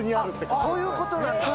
そういうことなんだ。